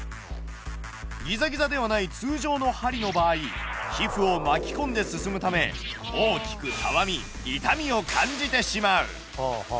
ギザギザではない通常の針の場合皮膚を巻き込んで進むため大きくたわみ痛みを感じてしまう。